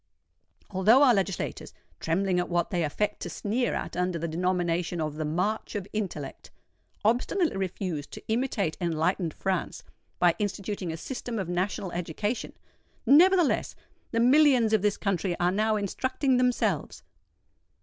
Although our legislators—trembling at what they affect to sneer at under the denomination of "the march of intellect"—obstinately refuse to imitate enlightened France by instituting a system of national education,—nevertheless, the millions of this country are now instructing themselves!